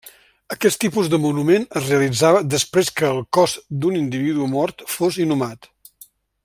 Aquest tipus de monument es realitzava després que el cos d'un individu mort fos inhumat.